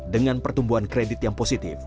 dengan pertumbuhan kredit yang positif